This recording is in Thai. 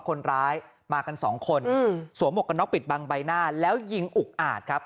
คนร้ายมากันสองคนสวมหมวกกันน็อกปิดบังใบหน้าแล้วยิงอุกอาจครับ